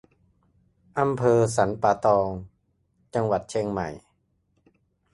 อำเภอสันป่าตอง จังหวัดเชียงใหม่